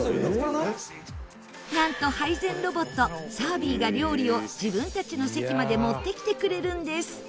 なんと配膳ロボットＳｅｒｖｉが料理を自分たちの席まで持ってきてくれるんです。